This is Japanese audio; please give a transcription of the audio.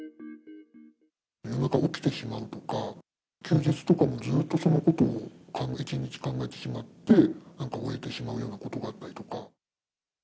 夜中に起きてしまうとか、休日とかもずっとそのことを一日考えてしまって、なんか終えてしまうようなことがあったりとか。